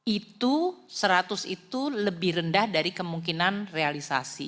itu seratus itu lebih rendah dari kemungkinan realisasi